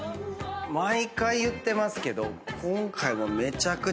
毎回言ってますけど。